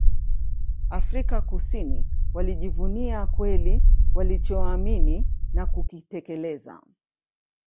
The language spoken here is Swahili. Afrika Kusini Walijivunia kweli walichoamini na kukitekeleza